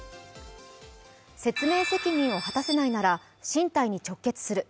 説明責任を果たせないなら進退に直結する。